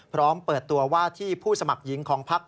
พร้อมเปิดตัวว่าที่ผู้สมัครหญิงของพัก